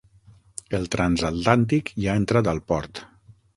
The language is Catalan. El transatlàntic ja ha entrat al port.